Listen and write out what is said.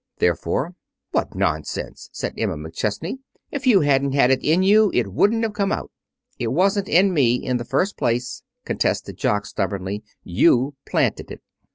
Therefore: "What nonsense!" said Emma McChesney. "If you hadn't had it in you, it wouldn't have come out." "It wasn't in me, in the first place," contested Jock stubbornly. "You planted it."